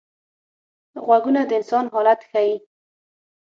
غږونه د انسان حالت ښيي